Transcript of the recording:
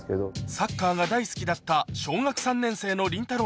サッカーが大好きだった小学３年生のりんたろー。